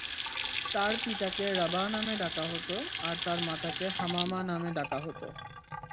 তাঁর পিতাকে রাবাহ নামে ডাকা হত আর তাঁর মাতাকে হামামা নামে ডাকা হত।